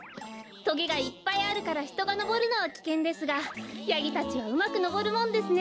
とげがいっぱいあるからひとがのぼるのはきけんですがヤギたちはうまくのぼるもんですね。